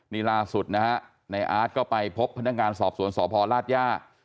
นิราสุทธิ์นะฮะในอาร์ตก็ไปพบพนักงานสอบสวนสอบภอร์ราชย่า